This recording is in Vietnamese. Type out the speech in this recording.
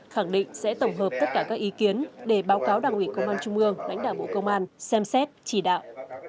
khẳng định sẽ tổng hợp tất cả các ý kiến để báo cáo đảng ủy công an trung ương lãnh đạo bộ công an xem xét chỉ đạo